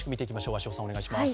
鷲尾さん、お願いします。